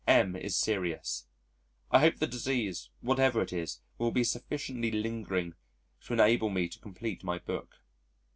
M is serious.... I hope the disease, whatever it is, will be sufficiently lingering to enable me to complete my book.